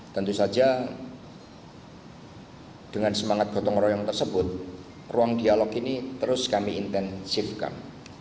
tentu saja dengan semangat gotong royong tersebut ruang dialog ini terus kami intensifkan